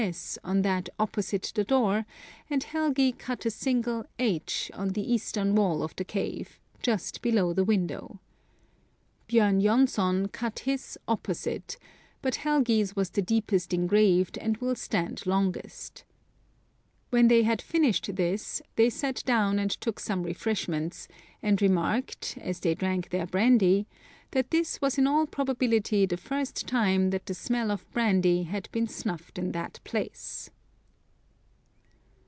S. on that opposite the door, and Helgi cut a single H. on the eastern wall of the cave, just below the window. Bjorn J6nsson cut his opposite, but Helgi's was the deepest engraved, and will stand longest When they had finished this, they sat down and took some refreshments, and remarked, as they drank their brandy, that this was in all prob ability the first time that the smell of brandy had been snuffed in that place.